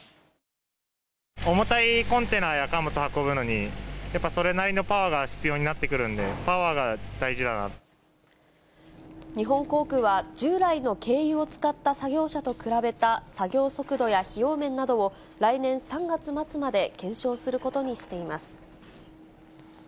重たいコンテナや貨物運ぶのに、やっぱそれなりのパワーが必要になってくるんで、パワーが大日本航空は、従来の軽油を使った作業車と比べた、作業速度や費用面などを、来年３月末まで検証することにしています。